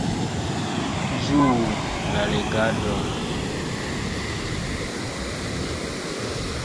Ĝuu la legadon!